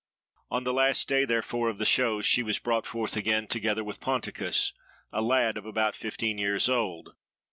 "On the last day, therefore, of the shows, she was brought forth again, together with Ponticus, a lad of about fifteen years old.